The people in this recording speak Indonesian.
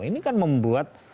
ini kan membuat